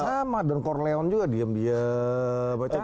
sama dan korleon juga diam diam baca